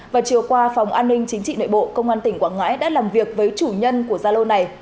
và chiều qua phòng an ninh chính trị nội bộ công an tỉnh quảng ngãi đã làm việc với chủ nhân của gia lô này